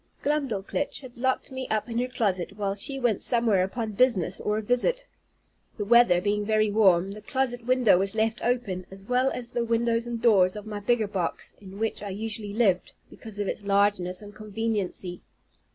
Glumdalclitch had locked me up in her closet, while she went somewhere upon business, or a visit. The weather being very warm, the closet window was left open, as well as the windows and door of my bigger box, in which I usually lived, because of its largeness and conveniency.